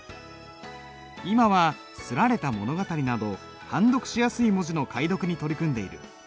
今は刷られた物語など判読しやすい文字の解読に取り組んでいる。